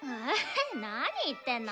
なに言ってんの！